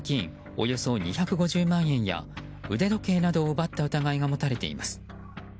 およそ２５０万円や腕時計などを奪った疑いが持たれています。